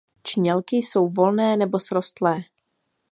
Čnělky jsou volné nebo srostlé.